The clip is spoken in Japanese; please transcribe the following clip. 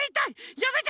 やめて！